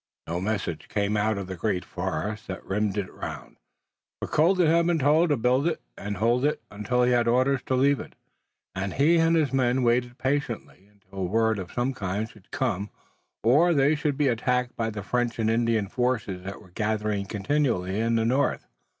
No message came out of the great forest that rimmed it round, but Colden had been told to build it and hold it until he had orders to leave it, and he and his men waited patiently, until word of some kind should come or they should be attacked by the French and Indian forces that were gathering continually in the north.